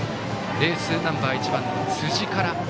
エースナンバー１番の辻から。